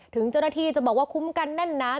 ถึงเจ้าหน้าที่จะบอกว่าคุ้มกันแน่นหนา